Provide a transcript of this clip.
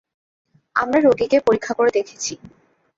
আমরা রোগীকে পরীক্ষা করে দেখেছি।